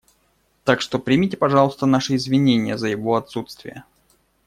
Так что примите, пожалуйста, наши извинения за его отсутствие.